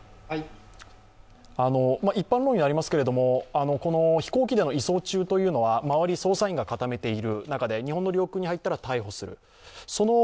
一般論にはなりますが、飛行機での移送中というのは周りを捜査員が固めている中で、日本の領空に入ったら逮捕する。